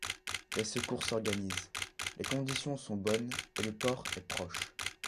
Les secours s'organisent, les conditions sont bonnes et le port est proche.